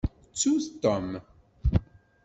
Ttut Tom.